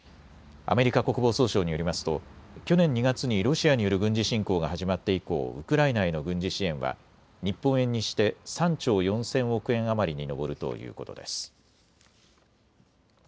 アメリカ国防総省によりますと去年２月にロシアによる軍事侵攻が始まって以降、ウクライナへの軍事支援は日本円にして３兆４０００億円余りに上るということです。